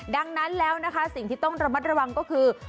ดังนั้นแล้วนะคะสิ่งที่ต้องระมัดระวังก็คือ